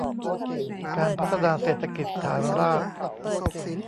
การพัฒนาเศรษฐกิจฐานราก